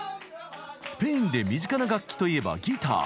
スペインで身近な楽器といえばギター。